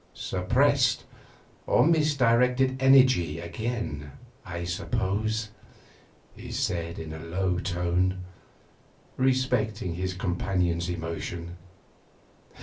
'Suppressed or misdirected energy again, I suppose,' he said in a low tone, respecting his companion's emotion.